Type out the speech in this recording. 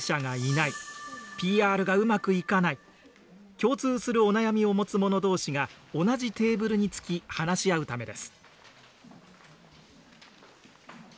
共通するお悩みを持つ者同士が同じテーブルにつき話し合うためです。